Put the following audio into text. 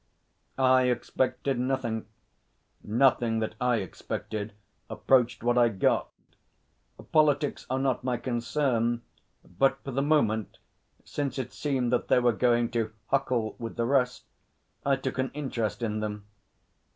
I expected nothing. Nothing that I expected approached what I got. Politics are not my concern, but, for the moment, since it seemed that they were going to 'huckle' with the rest, I took an interest in them.